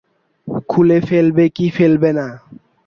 খুলে ফেলবে কি ফেলবে না।